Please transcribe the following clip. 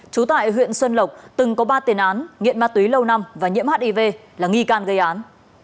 trú tại huyện xuân lộc từng có ba tiền án nghiện ma túy lâu năm và nhiễm hiv là nghi can gây án